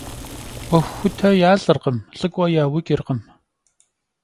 'Uexuxute yalh'ırkhım, lh'ık'ue yauç'ırkhım.